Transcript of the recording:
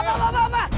pak pak pak pak